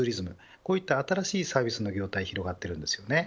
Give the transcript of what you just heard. こういった新しいサービスの業態が広がっています。